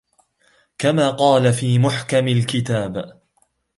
كَمَا قَالَ فِي مُحْكِمِ الْكِتَابِ